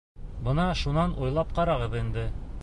Бына шунан уйлап ҡарағыҙ инде...